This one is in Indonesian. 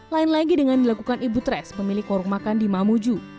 lain lagi dengan dilakukan ibu tres pemilik warung makan di mamuju